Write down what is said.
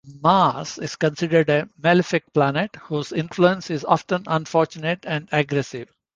Mars is considered a malefic planet, whose influence is often unfortunate and aggressive.